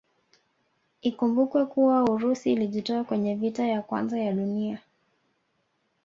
Ikumbukwe kuwa Urusi ilijitoa kwenye vita ya kwanza ya dunia